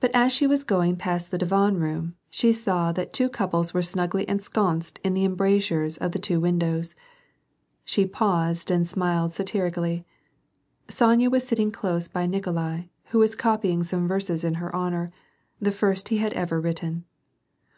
But as she was going past the divan room, she saw that two couples were snugl}" ensconced in the embrasures of the two windows. She paused and smiled satirically. Sony a was sitting close by Nikolai, who was copying some verses in her honor, — the first he had ever written.